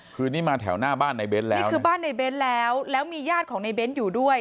คืนนี้มาแถวหน้าบ้านในเน้นแล้วนี่คือบ้านในเบ้นแล้วแล้วมีญาติของในเบ้นอยู่ด้วย